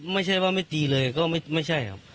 ไม่ใช่ว่าไม่ตีเลยก็ไม่ใช่ครับ